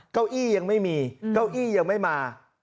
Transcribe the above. เก้าอี้ยังไม่มีเก้าอี้ยังไม่มา